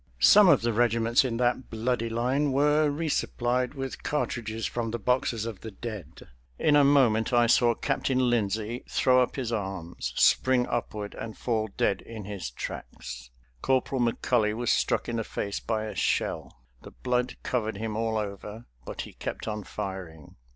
Some of the regiments in that bloody line were resupplied with cartridges from the boxes of the dead. In a moment I saw Captain Lindsey throw up his arms, spring upward and fall dead in his tracks. Corporal McCully was struck in the face by a shell. The blood covered him all over, but he kept on firing.